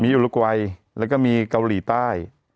อุลกวัยแล้วก็มีเกาหลีใต้